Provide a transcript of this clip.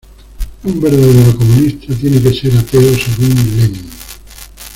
Un verdadero comunista tiene que ser ateo según Lenin.